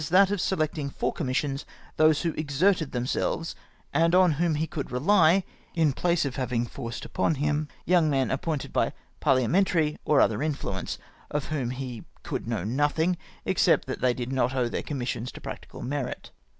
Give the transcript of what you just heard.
that of selecting for commissions those who exerted themselves, and on whom he could rely, in place of having forced upon him young men appointed by parhamentary or other influence ; of whom he could know nothing, except that they did not owe their commissions to practical merit.